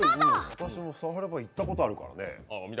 私もサファリパーク行ったことあるからね。